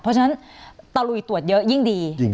เพราะฉะนั้นตะลุยตรวจเยอะยิ่งดี